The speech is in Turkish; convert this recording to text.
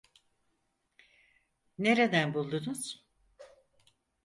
Nereden buldunuz?